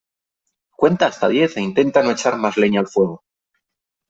Cuenta hasta diez e intenta no echar más leña al fuego.